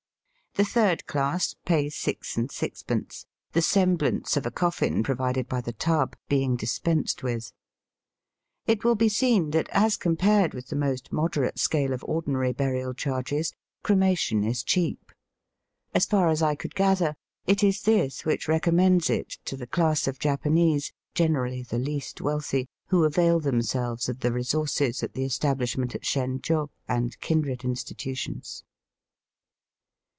The third class pay six and sixpence, the semblance of a coffin provided by the tub being dispensed with. It will be seen that, as compared with the most moderate scale of ordinary burial charges, cremation is cheap. As far as I could gather, it is this which recommends it to the class of Japanese, generally the least wealthy, who avail them selves of the resources at the establishment at Shen jo and kindred institutions.